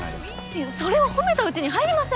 いやそれは褒めたうちに入りません！